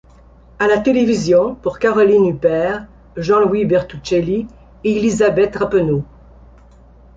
À la télévision, pour Caroline Huppert, Jean Louis Bertucelli et Élisabeth Rappeneau.